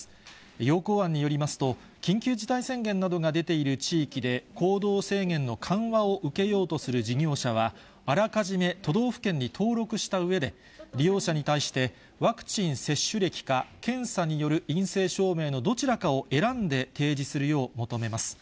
要綱案によりますと、緊急事態宣言などが出ている地域で行動制限の緩和を受けようとする事業者は、あらかじめ都道府県に登録したうえで、利用者に対してワクチン接種歴か検査による陰性証明のどちらかを選んで提示するよう求めます。